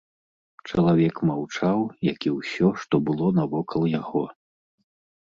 Чалавек маўчаў, як і ўсё, што было навокал яго.